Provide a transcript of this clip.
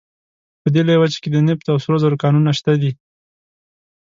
په دې لویه وچه کې د نفتو او سرو زرو کانونه شته دي.